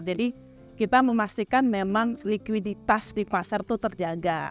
jadi kita memastikan memang likuiditas di pasar itu terjaga